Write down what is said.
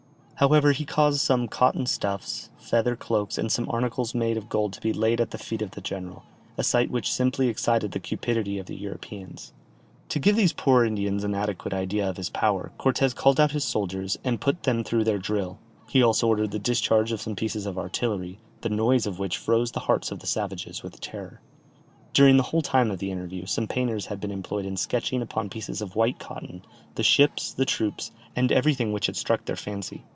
However, he caused some cotton stuffs, feather cloaks, and some articles made of gold to be laid at the feet of the general, a sight which simply excited the cupidity of the Europeans. To give these poor Indians an adequate idea of his power, Cortès called out his soldiers, and put them through their drill, he also ordered the discharge of some pieces of artillery, the noise of which froze the hearts of the savages with terror. During the whole time of the interview, some painters had been employed in sketching upon pieces of white cotton, the ships, the troops, and everything which had struck their fancy.